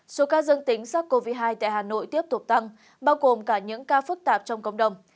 số ca dương tính sars cov hai tại hà nội tiếp tục tăng bao gồm cả những ca phức tạp trong cộng đồng